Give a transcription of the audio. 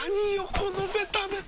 このベタベタ。